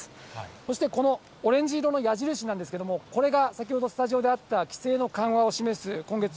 そしてこのオレンジ色の矢印なんですけれども、これが先ほどスタジオであった、規制の緩和を示す